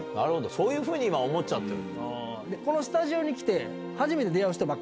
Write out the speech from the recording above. そういうふうに今思っちゃってる。